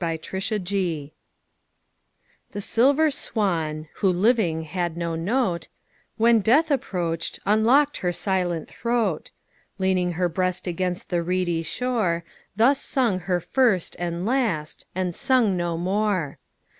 6 Autoplay The silver swan, who living had no note, When death approach'd, unlock'd her silent throat; Leaning her breast against the reedy shore, Thus sung her first and last, and sung no more.